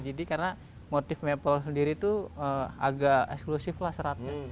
jadi karena motif maple sendiri itu agak eksklusif lah seratnya